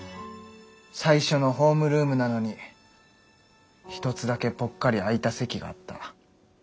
最初のホームルームなのに１つだけポッカリ空いた席があった。